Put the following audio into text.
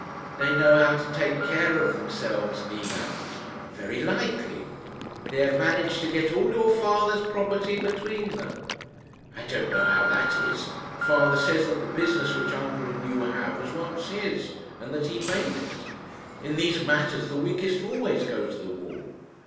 "They know how to take care of themselves, Nina." "Very likely." "They have managed to get all your father's property between them." "I don't know how that is. Father says that the business which uncle and you have was once his, and that he made it. In these matters the weakest always goes to the wall.